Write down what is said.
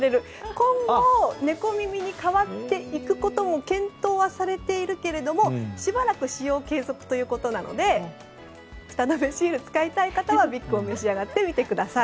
今後、猫耳に代わっていくことも検討されているけどしばらく使用継続ということなのでフタ止めシールを使いたい方はＢＩＧを召し上がってみてください。